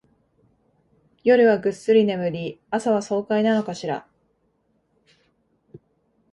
夜はぐっすり眠り、朝は爽快なのかしら